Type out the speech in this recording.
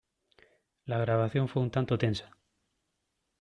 La grabación fue un tanto tensa.